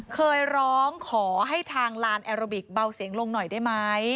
เคยร้องขอให้ทางลานแอโรบิกเบาเสียงลงหน่อยได้ไหม